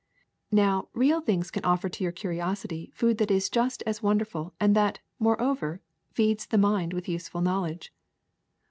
"Now, real things can otfer to your curiosity food that is just as wonderful and that, moreover, feeds the mind with useful knowledge.